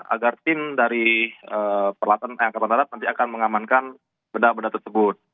agar tim dari peralatan angkatan darat nanti akan mengamankan benda benda tersebut